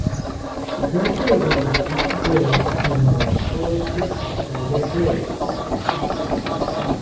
He graduated with good grades and won a scholarship to study abroad.